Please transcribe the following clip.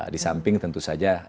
di samping tentu saja